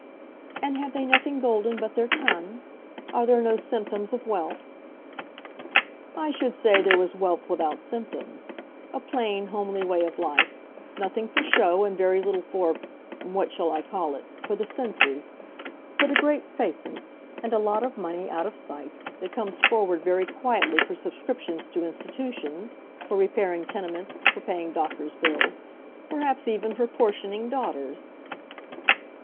"And have they nothing golden but their ton? Are there no symptoms of wealth?" "I should say there was wealth without symptoms. A plain, homely way of life: nothing for show, and very little for—what shall I call it?—for the senses; but a great aisance, and a lot of money, out of sight, that comes forward very quietly for subscriptions to institutions, for repairing tenements, for paying doctor's bills; perhaps even for portioning daughters."